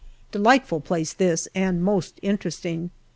Delightful place this, and most interesting.